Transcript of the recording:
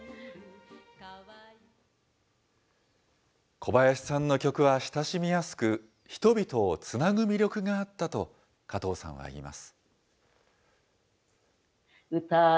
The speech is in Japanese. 小林さんの曲は親しみやすく、人々をつなぐ魅力があったと、加藤さんは言います。